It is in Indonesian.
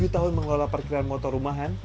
tujuh tahun mengelola parkiran motor rumahan